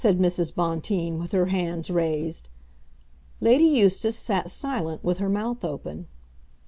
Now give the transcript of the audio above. said Mrs. Bonteen, with her hands raised. Lady Eustace sat silent, with her mouth open.